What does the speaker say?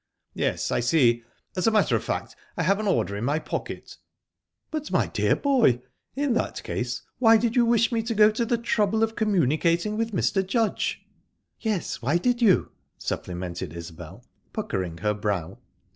"Yes, I see...As a matter of fact, I have an order in my pocket." "But, my dear boy, in that case why did you wish me to go to the trouble of communicating with Mr. Judge?" "Yes, why did you?" supplemented Isbel, puckering her brow.